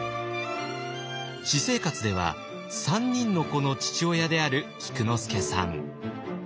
私生活では３人の子の父親である菊之助さん。